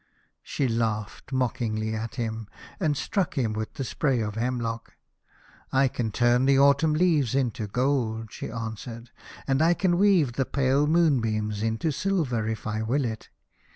She laughed mockingly at him, and struck him with the spray of hemlock. " I can turn the autumn leaves into gold," she answered, " and I can weave the pale moon beams into silver if I will it.